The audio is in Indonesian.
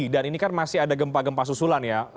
dan ini kan masih ada gempa gempa susulan ya